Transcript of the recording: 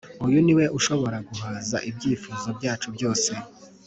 uyu ni we ushobora guhaza ibyifuzo byacu byose